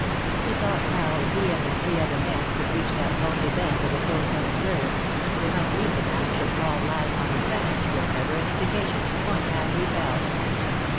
He thought how if he and the three other men could reach that lonely bend of the coast unobserved, they might leave the man who should fall lying on the sand_, with never an indication to point how he fell.